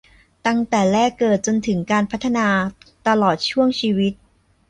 ตั้งแต่แรกเกิดจนถึงการพัฒนาตลอดช่วงชีวิต